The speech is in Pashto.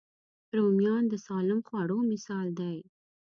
رومیان د سالم خوړو مثال دی